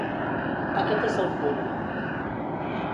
Aquest és el punt.